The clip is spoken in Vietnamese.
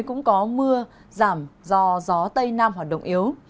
cũng có mưa giảm do gió tây nam hoạt động yếu